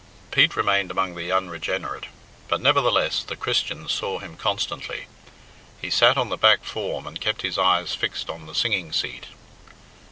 Pete remained among the unregenerate; but nevertheless "The Christians" saw him constantly. He sat on the back form and kept his eyes fixed on the "singing seat."